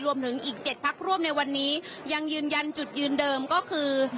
รวมถึงอีก๗พักร่วมในวันนี้ยังยืนยันจุดยืนเดิมก็คือ